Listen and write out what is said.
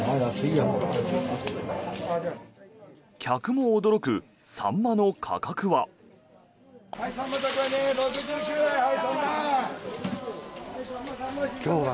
客も驚くサンマの価格は。